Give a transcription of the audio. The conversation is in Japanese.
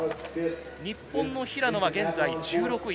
日本の平野は現在１６位。